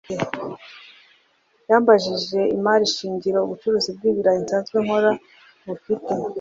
yambajije imari shingiro ubucuruzi bw’ibirayi nsanzwe nkora bufite